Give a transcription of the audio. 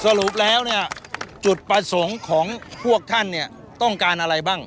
สรุปแล้วเนี่ยจุดประสงค์ของพวกท่านเนี่ยต้องการอะไรบ้าง